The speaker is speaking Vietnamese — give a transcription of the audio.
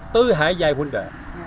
tứ hải giai quân đệ